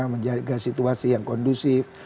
menjaga situasi yang kondusif